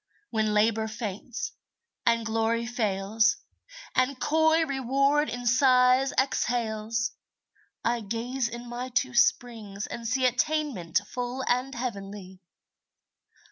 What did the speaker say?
When Labor faints, and Glory fails, And coy Reward in sighs exhales, I gaze in my two springs and see Attainment full and heavenly.